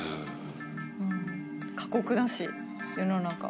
過酷だし世の中は。